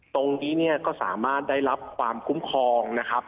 ตรงนี้เนี่ยก็สามารถได้รับความคุ้มครองนะครับ